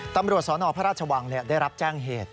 ตำรวจสนพระราชวังได้รับแจ้งเหตุ